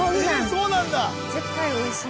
そうなんだ